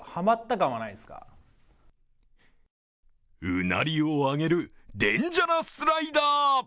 うなりを上げるデラジャラスライダー。